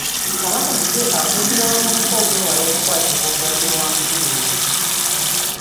Kabaka azze akuutira abavubuka okwewala okukwatibwa obulwadde bwa mukenenya.